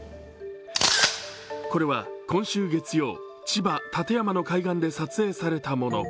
これは今週月曜、千葉・館山の海岸で撮影されたもの。